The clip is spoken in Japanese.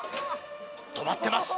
止まってます